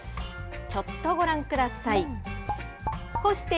ちょっとご覧ください。